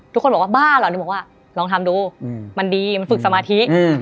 ทุกคนบอกว่าบ้าเหรอนี่บอกว่าลองทำดูมันดีมันฝึกสมาธิ